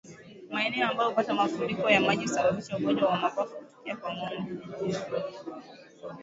Maeneo ambayo hupata mafuriko ya maji husababisha ugonjwa wa mapafu kutokea kwa ngombe